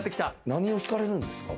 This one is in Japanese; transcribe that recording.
何を弾かれるんですか？